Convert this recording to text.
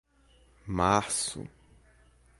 março